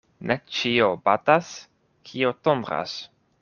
Ne ĉio batas, kio tondras.